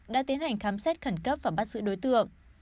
đã tiến hành khám xét khẩn cấp và bắt giữ đối tượng